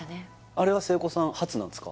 あれは聖子さん発なんですか？